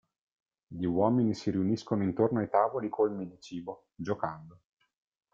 Gli uomini si riuniscono intorno ai tavoli colmi di cibo, giocando.